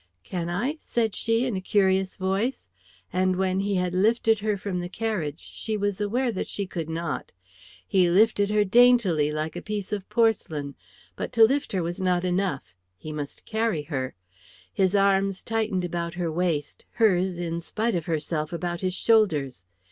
"Can I?" said she, in a curious voice; and when he had lifted her from the carriage, she was aware that she could not. He lifted her daintily, like a piece of porcelain; but to lift her was not enough, he must carry her. His arms tightened about her waist, hers in spite of herself about his shoulders.